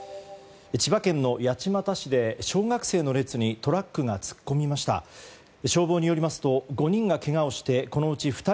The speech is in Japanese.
千葉県の八街市で小学生の列にトラックが突っ込みました。